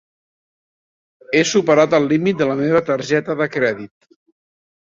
He superat el límit de la meva targeta de crèdit